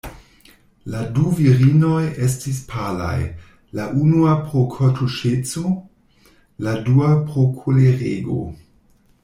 La du virinoj estis palaj, la unua pro kortuŝeco, la dua pro kolerego.